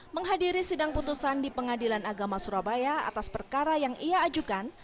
menghadiri sidang putusan di pengadilan agama surabaya atas perkara yang ia ajukan